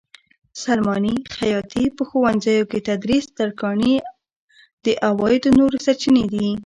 سلماني؛ خیاطي؛ په ښوونځیو کې تدریس؛ ترکاڼي د عوایدو نورې سرچینې دي.